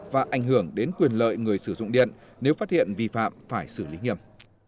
và ảnh hưởng đến quyền lợi người sử dụng điện nếu phát hiện vi phạm phải xử lý nghiêm